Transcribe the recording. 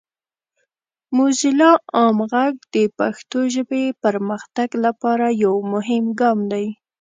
موزیلا عام غږ د پښتو ژبې پرمختګ لپاره یو مهم ګام دی.